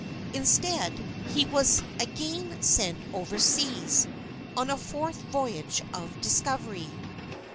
Instead, he was again sent overseas, on a fourth voyage of discovery.